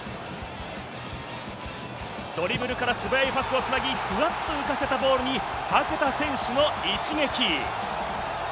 ドリブルから素早いパスをつなぎ、ふわっとかせたボールにパケタ選手の一撃。